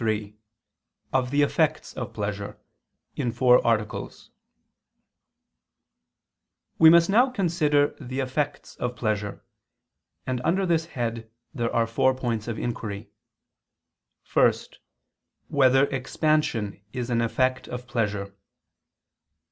________________________ QUESTION 33 OF THE EFFECTS OF PLEASURE (In Four Articles) We must now consider the effects of pleasure; and under this head there are four points of inquiry: (1) Whether expansion is an effect of pleasure?